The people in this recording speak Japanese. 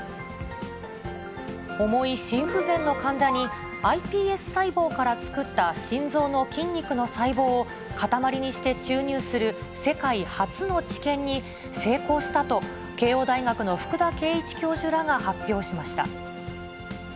重い心不全の患者に、ｉＰＳ細胞から作った心臓の筋肉の細胞を、塊にして注入する世界初の治験に成功したと、慶応大学の福田恵一教授らが発表しました。